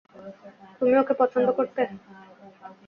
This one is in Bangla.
তুমি ওকে পছন্দ করতে?